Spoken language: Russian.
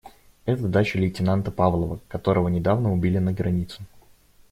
Это дача лейтенанта Павлова, которого недавно убили на границе.